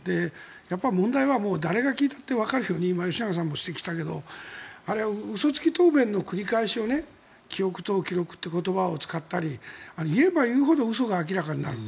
問題は誰が聞いたってわかるように吉永さんも指摘したけど嘘つき答弁の繰り返しを記憶と記録という言葉を使ったり言えば言うほど嘘が明らかになる。